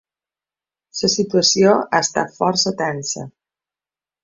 La situació ha estat força tensa.